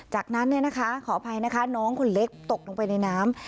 จากนั้นขออภัยนะคะน้องคนเล็กตกลงไปในน้ำ